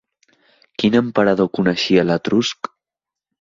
Quin emperador coneixia l'etrusc?